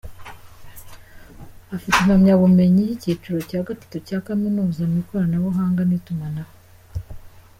Afite impamyabumenyi y’icyiciro cya gatatu cya kaminuza mu ikoranabuhanga n’itumanaho.